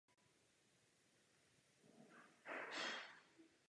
Severovýchodním směrem vybíhá ze Seegupfu krátký boční hřeben Hirschriedel.